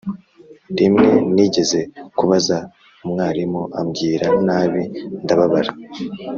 rimwe nigeze kubaza umwarimu ambwira nabi ndababara